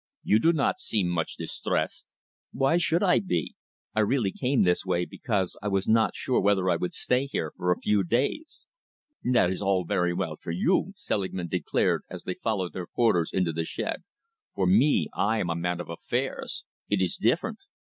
"You do not seem much distressed." "Why should I be? I really came this way because I was not sure whether I would not stay here for a few days." "That is all very well for you," Selingman declared, as they followed their porters into the shed. "For me, I am a man of affairs. It is different.